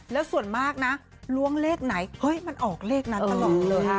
แล้วส่วนมากนะล้วงเลขไหนเฮ้ยมันออกเลขนั้นตลอดเลย